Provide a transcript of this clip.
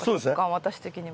私的には。